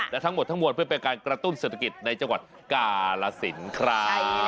และทั้งหมดทั้งมวลเพื่อเป็นการกระตุ้นเศรษฐกิจในจังหวัดกาลสินครับ